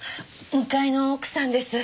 向かいの奥さんです。